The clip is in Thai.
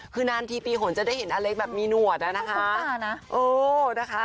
คือนานทีปีหนจะได้เห็นอเล็กแบบมีหนวดอะนะคะ